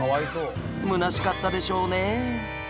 むなしかったでしょうね